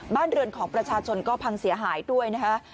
บ้านเรือนของประชาชนก็พังเสียหายด้วยนะคะ